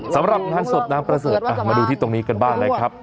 สำหรับน้ำสดน้ำพระเสดมาดูที่ตรงนี้กันบ้างนะครับ